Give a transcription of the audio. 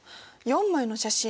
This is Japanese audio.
４枚の写真